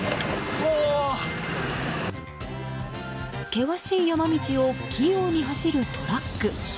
険しい山道を器用に走るトラック。